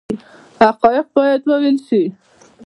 حقایق باید وویل شي